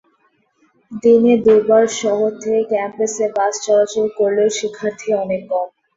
দিনে দুবার শহর থেকে ক্যাম্পাসে বাস চলাচল করলেও শিক্ষার্থী অনেক কম।